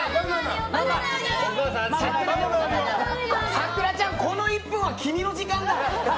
さくらちゃん、この１分は君の時間だよ。